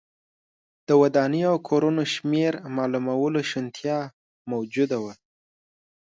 د ودانیو او کورونو شمېر معلومولو شونتیا موجوده وه